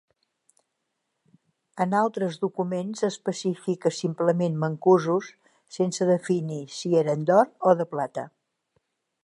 En altres documents s'especifica simplement mancusos sense definir si eren d'or o de plata.